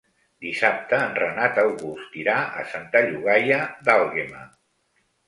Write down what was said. Dissabte en Renat August irà a Santa Llogaia d'Àlguema.